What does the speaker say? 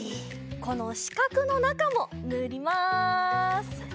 このしかくのなかもぬります！